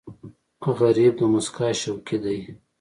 غریب د موسکا شوقي دی